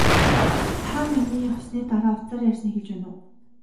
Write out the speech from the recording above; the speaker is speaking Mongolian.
Та миний явсны дараа утсаар ярьсныг хэлж байна уу?